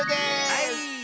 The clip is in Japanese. はい！